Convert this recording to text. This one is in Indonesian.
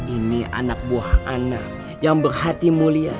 ini anak buah anak yang berhati mulia